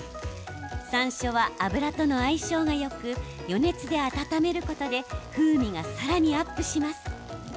さんしょうは油との相性がよく余熱で温めることで風味がさらにアップします。